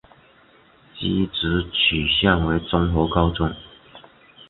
技职取向为综合高中。